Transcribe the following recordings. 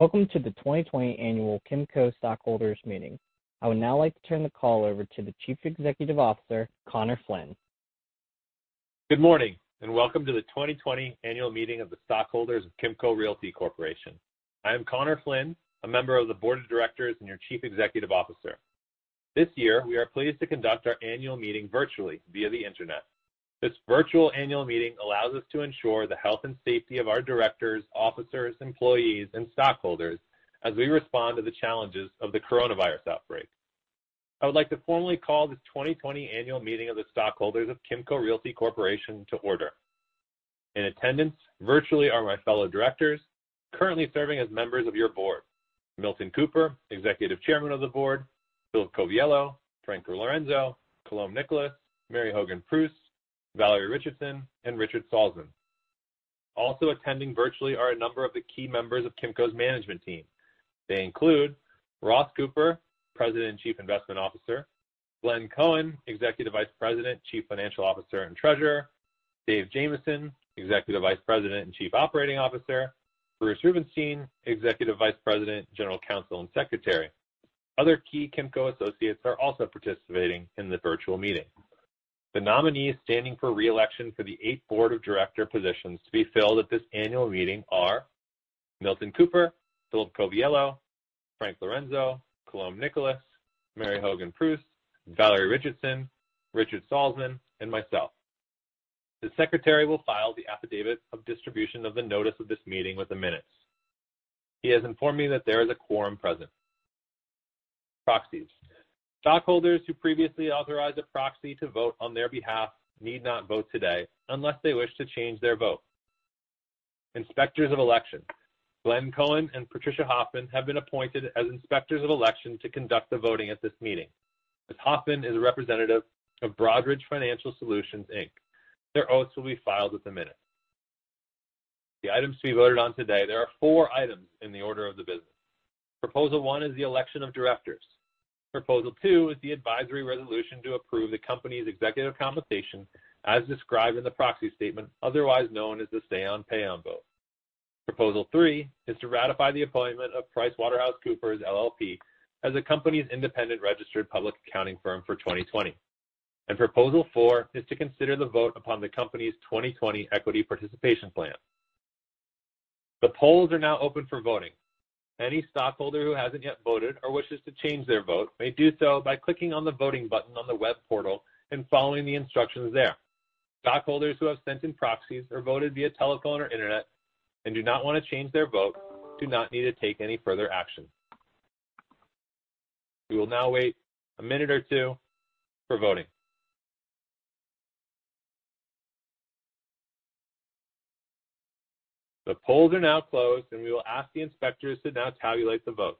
Welcome to the 2020 annual Kimco stockholders meeting. I would now like to turn the call over to the Chief Executive Officer, Conor Flynn. Good morning, welcome to the 2020 annual meeting of the stockholders of Kimco Realty Corporation. I am Conor Flynn, a member of the board of directors and your Chief Executive Officer. This year, we are pleased to conduct our annual meeting virtually via the internet. This virtual annual meeting allows us to ensure the health and safety of our directors, officers, employees, and stockholders as we respond to the challenges of the coronavirus outbreak. I would like to formally call this 2020 annual meeting of the stockholders of Kimco Realty Corporation to order. In attendance virtually are my fellow directors currently serving as members of your board, Milton Cooper, Executive Chairman of the Board, Philip Coviello, Frank Lourenso, Colombe Nicholas, Mary Hogan Preusse, Valerie Richardson, and Richard Saltzman. Also attending virtually are a number of the key members of Kimco's management team. They include Ross Cooper, President and Chief Investment Officer, Glenn Cohen, Executive Vice President, Chief Financial Officer, and Treasurer, Dave Jamieson, Executive Vice President and Chief Operating Officer, Bruce Rubenstein, Executive Vice President, General Counsel, and Secretary. Other key Kimco associates are also participating in the virtual meeting. The nominees standing for re-election for the eight board of director positions to be filled at this annual meeting are Milton Cooper, Philip Coviello, Frank Lourenso, Colombe Nicholas, Mary Hogan Preusse, Valerie Richardson, Richard Saltzman, and myself. The secretary will file the affidavit of distribution of the notice of this meeting with the minutes. He has informed me that there is a quorum present. Proxies. Stockholders who previously authorized a proxy to vote on their behalf need not vote today unless they wish to change their vote. Inspectors of election. Glenn Cohen and Patricia Hoffman have been appointed as inspectors of election to conduct the voting at this meeting, as Hoffman is a representative of Broadridge Financial Solutions, Inc. Their oaths will be filed with the minutes. The items to be voted on today, there are four items in the order of the business. Proposal one is the election of directors. Proposal two is the advisory resolution to approve the company's executive compensation as described in the proxy statement, otherwise known as the say-on-pay vote. Proposal three is to ratify the appointment of PricewaterhouseCoopers, LLP as the company's independent registered public accounting firm for 2020. Proposal four is to consider the vote upon the company's 2020 Equity Participation Plan. The polls are now open for voting. Any stockholder who hasn't yet voted or wishes to change their vote may do so by clicking on the voting button on the web portal and following the instructions there. Stockholders who have sent in proxies or voted via telephone or internet and do not want to change their vote do not need to take any further action. We will now wait a minute or two for voting. The polls are now closed, and we will ask the inspectors to now tabulate the votes.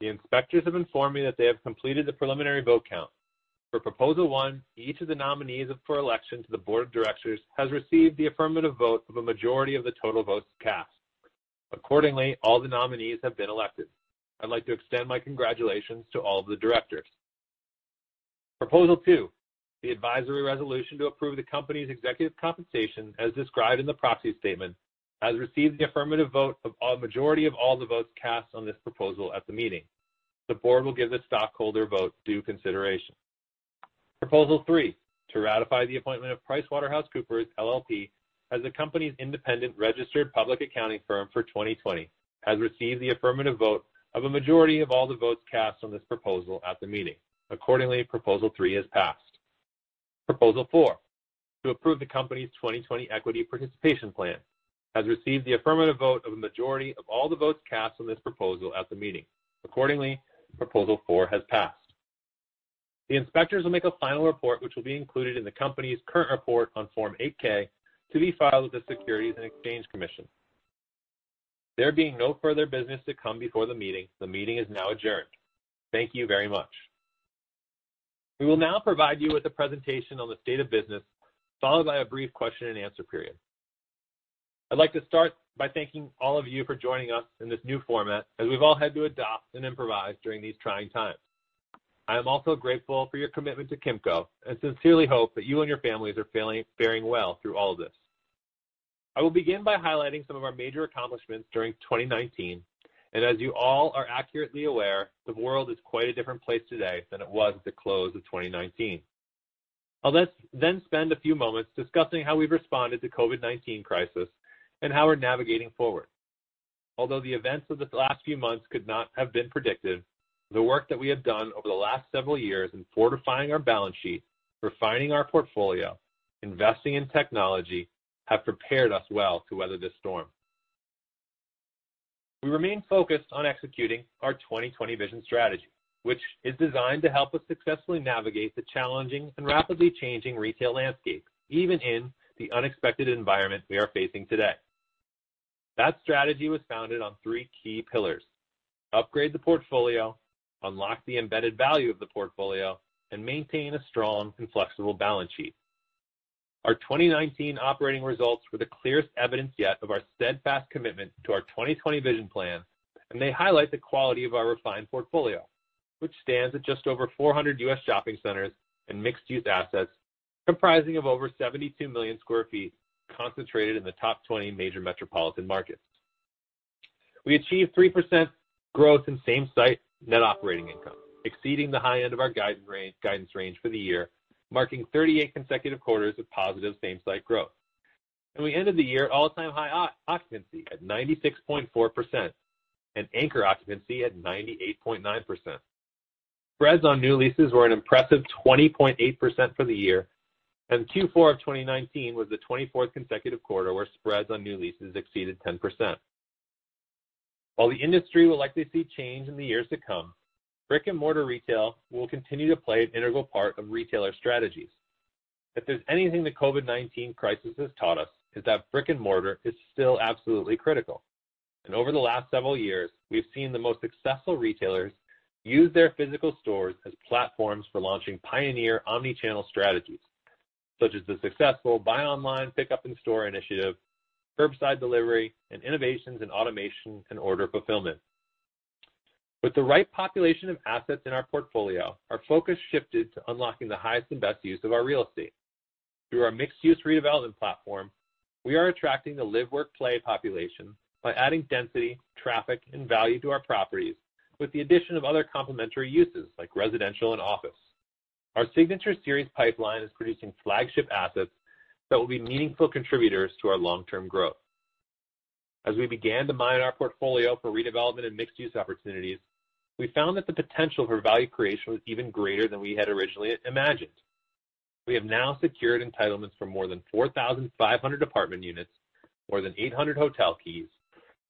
The inspectors have informed me that they have completed the preliminary vote count. For proposal one, each of the nominees up for election to the board of directors has received the affirmative vote of a majority of the total votes cast. Accordingly, all the nominees have been elected. I'd like to extend my congratulations to all of the directors. Proposal two, the advisory resolution to approve the company's executive compensation as described in the proxy statement, has received the affirmative vote of a majority of all the votes cast on this proposal at the meeting. The board will give the stockholder vote due consideration. Proposal three, to ratify the appointment of PricewaterhouseCoopers, LLP as the company's independent registered public accounting firm for 2020, has received the affirmative vote of a majority of all the votes cast on this proposal at the meeting. Accordingly, proposal three has passed. Proposal four, to approve the company's 2020 Equity Participation Plan, has received the affirmative vote of a majority of all the votes cast on this proposal at the meeting. Accordingly, proposal four has passed. The inspectors will make a final report, which will be included in the company's current report on Form 8-K to be filed with the Securities and Exchange Commission. There being no further business to come before the meeting, the meeting is now adjourned. Thank you very much. We will now provide you with a presentation on the state of business, followed by a brief question and answer period. I'd like to start by thanking all of you for joining us in this new format, as we've all had to adapt and improvise during these trying times. I am also grateful for your commitment to Kimco, and sincerely hope that you and your families are faring well through all of this. I will begin by highlighting some of our major accomplishments during 2019, and as you all are accurately aware, the world is quite a different place today than it was at the close of 2019. I'll then spend a few moments discussing how we've responded to COVID-19 crisis and how we're navigating forward. Although the events of the last few months could not have been predicted, the work that we have done over the last several years in fortifying our balance sheet, refining our portfolio, investing in technology, have prepared us well to weather this storm. We remain focused on executing our 2020 Vision strategy, which is designed to help us successfully navigate the challenging and rapidly changing retail landscape, even in the unexpected environment we are facing today. That strategy was founded on three key pillars: upgrade the portfolio, unlock the embedded value of the portfolio, and maintain a strong and flexible balance sheet. Our 2019 operating results were the clearest evidence yet of our steadfast commitment to our 2020 Vision plan, and they highlight the quality of our refined portfolio, which stands at just over 400 U.S. shopping centers and mixed-use assets, comprising of over 72 million sq ft concentrated in the top 20 major metropolitan markets. We achieved 3% growth in same-site net operating income, exceeding the high end of our guidance range for the year, marking 38 consecutive quarters of positive same-site growth. We ended the year all-time high occupancy at 96.4% and anchor occupancy at 98.9%. Spreads on new leases were an impressive 20.8% for the year, and Q4 of 2019 was the 24th consecutive quarter where spreads on new leases exceeded 10%. While the industry will likely see change in the years to come, brick-and-mortar retail will continue to play an integral part of retailer strategies. If there's anything the COVID-19 crisis has taught us, is that brick-and-mortar is still absolutely critical. Over the last several years, we've seen the most successful retailers use their physical stores as platforms for launching pioneer omni-channel strategies, such as the successful buy online, pickup in store initiative, curbside delivery, and innovations in automation and order fulfillment. With the right population of assets in our portfolio, our focus shifted to unlocking the highest and best use of our real estate. Through our mixed-use redevelopment platform, we are attracting the live-work-play population by adding density, traffic, and value to our properties, with the addition of other complementary uses like residential and office. Our Signature Series pipeline is producing flagship assets that will be meaningful contributors to our long-term growth. As we began to mine our portfolio for redevelopment and mixed-use opportunities, we found that the potential for value creation was even greater than we had originally imagined. We have now secured entitlements for more than 4,500 apartment units, more than 800 hotel keys,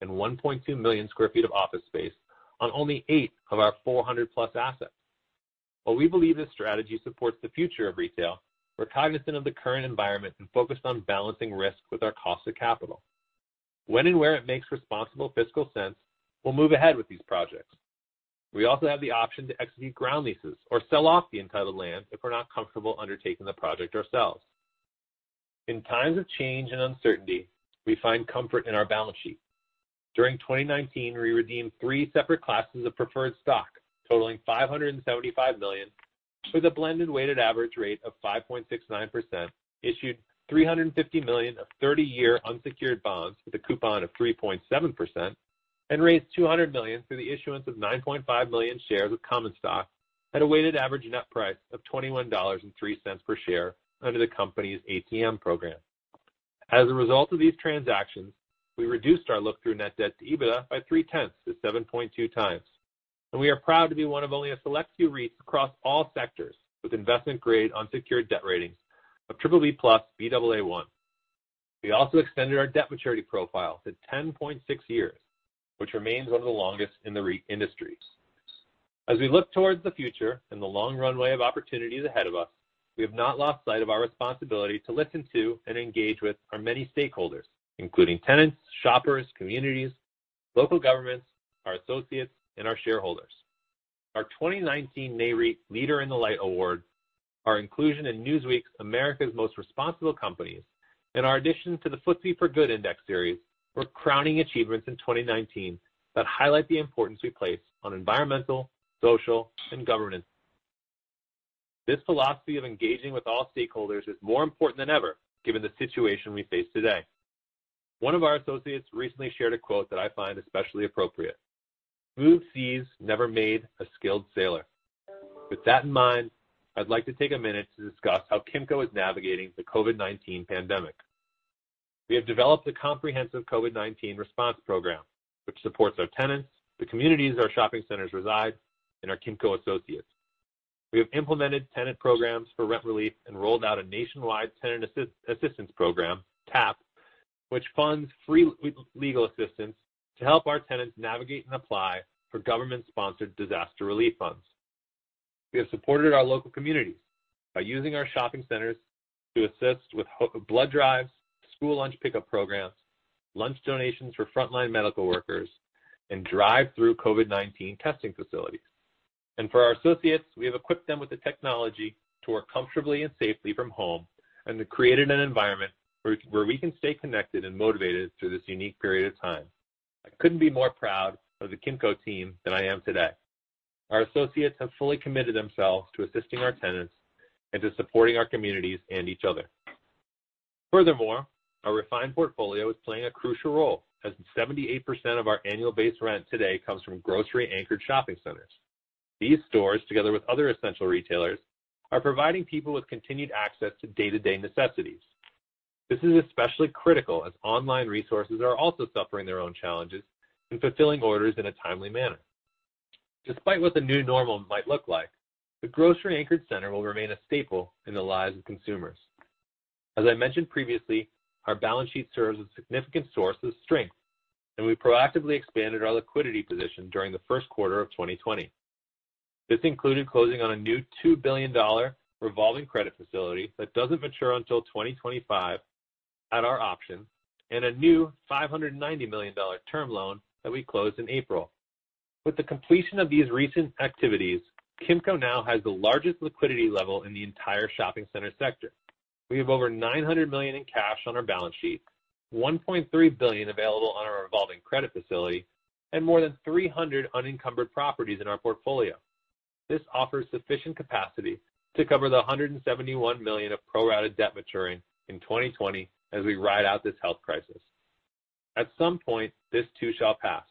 and 1.2 million square feet of office space on only eight of our 400+ assets. While we believe this strategy supports the future of retail, we're cognizant of the current environment and focused on balancing risk with our cost of capital. When and where it makes responsible fiscal sense, we'll move ahead with these projects. We also have the option to execute ground leases or sell off the entitled land if we're not comfortable undertaking the project ourselves. In times of change and uncertainty, we find comfort in our balance sheet. During 2019, we redeemed three separate classes of preferred stock, totaling $575 million, with a blended weighted average rate of 5.69%, issued $350 million of 30-year unsecured bonds with a coupon of 3.7%, and raised $200 million through the issuance of 9.5 million shares of common stock at a weighted average net price of $0.213 per share under the company's ATM program. As a result of these transactions, we reduced our look-through net debt to EBITDA by three-10ths to 7.2x. We are proud to be one of only a select few REITs across all sectors with investment-grade unsecured debt ratings of BBB+Baa1. We also extended our debt maturity profile to 10.6 years, which remains one of the longest in the REIT industries. As we look towards the future and the long runway of opportunities ahead of us, we have not lost sight of our responsibility to listen to and engage with our many stakeholders, including tenants, shoppers, communities, local governments, our associates, and our shareholders. Our 2019 Nareit Leader in the Light Award, our inclusion in Newsweek's America's Most Responsible Companies, and our addition to the FTSE4Good Index Series were crowning achievements in 2019 that highlight the importance we place on environmental, social, and governance. This philosophy of engaging with all stakeholders is more important than ever given the situation we face today. One of our associates recently shared a quote that I find especially appropriate, "Smooth seas never made a skilled sailor." With that in mind, I'd like to take a minute to discuss how Kimco is navigating the COVID-19 pandemic. We have developed a comprehensive COVID-19 response program, which supports our tenants, the communities our shopping centers reside, and our Kimco associates. We have implemented tenant programs for rent relief and rolled out a nationwide tenant assistance program, TAP, which funds free legal assistance to help our tenants navigate and apply for government-sponsored disaster relief funds. We have supported our local communities by using our shopping centers to assist with blood drives, school lunch pickup programs, lunch donations for frontline medical workers, and drive-through COVID-19 testing facilities. For our associates, we have equipped them with the technology to work comfortably and safely from home and have created an environment where we can stay connected and motivated through this unique period of time. I couldn't be more proud of the Kimco team than I am today. Our associates have fully committed themselves to assisting our tenants and to supporting our communities and each other. Furthermore, our refined portfolio is playing a crucial role, as 78% of our annual base rent today comes from grocery-anchored shopping centers. These stores, together with other essential retailers, are providing people with continued access to day-to-day necessities. This is especially critical as online resources are also suffering their own challenges in fulfilling orders in a timely manner. Despite what the new normal might look like, the grocery-anchored center will remain a staple in the lives of consumers. As I mentioned previously, our balance sheet serves as a significant source of strength, and we proactively expanded our liquidity position during the first quarter of 2020. This included closing on a new $2 billion revolving credit facility that doesn't mature until 2025 at our option, and a new $590 million term loan that we closed in April. With the completion of these recent activities, Kimco now has the largest liquidity level in the entire shopping center sector. We have over $900 million in cash on our balance sheet, $1.3 billion available on our revolving credit facility, and more than 300 unencumbered properties in our portfolio. This offers sufficient capacity to cover the $171 million of pro-rated debt maturing in 2020 as we ride out this health crisis. At some point, this too shall pass,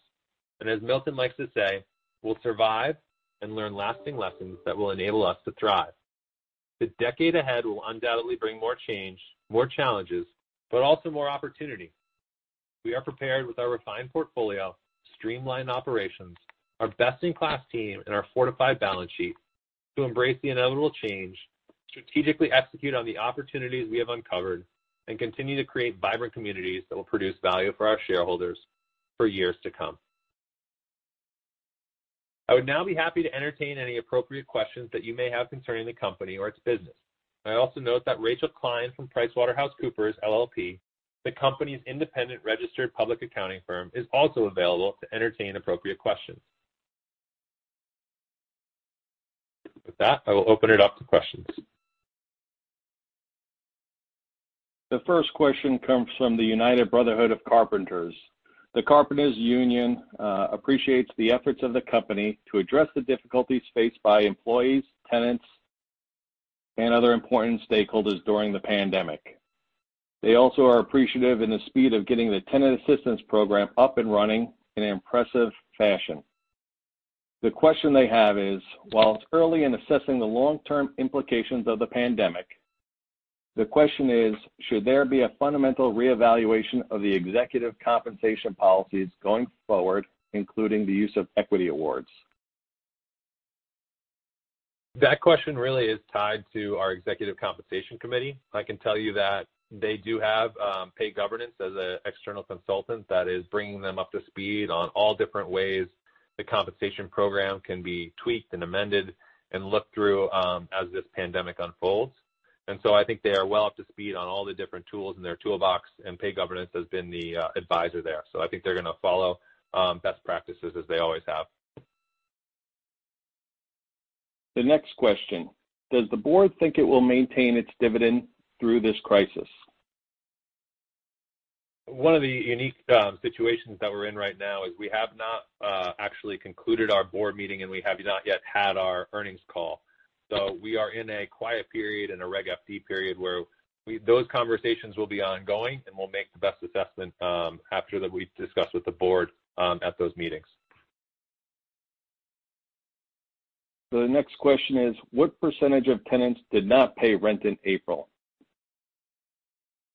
and as Milton likes to say, we'll survive and learn lasting lessons that will enable us to thrive. The decade ahead will undoubtedly bring more change, more challenges, but also more opportunity. We are prepared with our refined portfolio, streamlined operations, our best-in-class team, and our fortified balance sheet to embrace the inevitable change, strategically execute on the opportunities we have uncovered, and continue to create vibrant communities that will produce value for our shareholders for years to come. I would now be happy to entertain any appropriate questions that you may have concerning the company or its business. I also note that Rachel Klein from PricewaterhouseCoopers, LLP, the company's independent registered public accounting firm, is also available to entertain appropriate questions. With that, I will open it up to questions. The first question comes from the United Brotherhood of Carpenters. The Carpenters Union appreciates the efforts of the company to address the difficulties faced by employees, tenants, and other important stakeholders during the pandemic. They also are appreciative in the speed of getting the Tenant Assistance Program up and running in an impressive fashion. The question they have is, while it's early in assessing the long-term implications of the pandemic, the question is, should there be a fundamental reevaluation of the executive compensation policies going forward, including the use of equity awards? That question really is tied to our Executive Compensation Committee. I can tell you that they do have Pay Governance as an external consultant that is bringing them up to speed on all different ways the compensation program can be tweaked and amended and looked through as this pandemic unfolds. I think they are well up to speed on all the different tools in their toolbox, and Pay Governance has been the advisor there. I think they're going to follow best practices as they always have. The next question: does the board think it will maintain its dividend through this crisis? One of the unique situations that we're in right now is we have not actually concluded our board meeting, and we have not yet had our earnings call. We are in a quiet period and a Regulation FD period where those conversations will be ongoing, and we'll make the best assessment after we've discussed with the board at those meetings. The next question is, what percentage of tenants did not pay rent in April?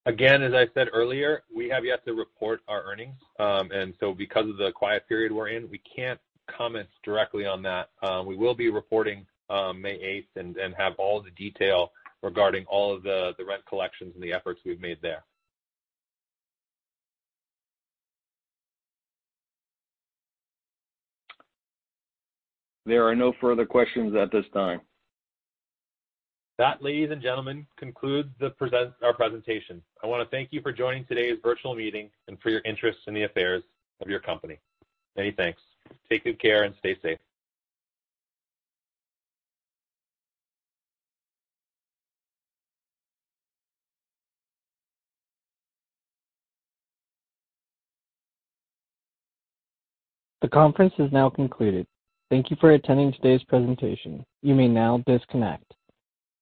As I said earlier, we have yet to report our earnings. Because of the quiet period we're in, we can't comment directly on that. We will be reporting May 8th and have all the detail regarding all of the rent collections and the efforts we've made there. There are no further questions at this time. That, ladies and gentlemen, concludes our presentation. I want to thank you for joining today's virtual meeting and for your interest in the affairs of your company. Many thanks. Take good care and stay safe. The conference is now concluded. Thank you for attending today's presentation. You may now disconnect.